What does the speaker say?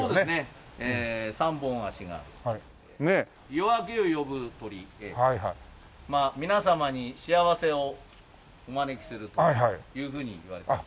夜明けを呼ぶ鳥で皆様に幸せをお招きするというふうにいわれています。